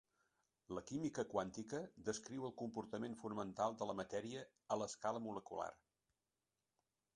La química quàntica descriu el comportament fonamental de la matèria a l'escala molecular.